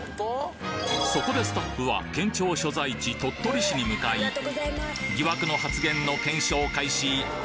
そこでスタッフは県庁所在地鳥取市に向かい疑惑の発言の検証開始！